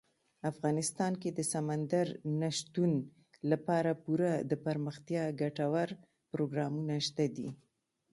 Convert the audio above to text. افغانستان کې د سمندر نه شتون لپاره پوره دپرمختیا ګټور پروګرامونه شته دي.